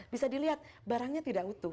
bisa dilihat barangnya tidak utuh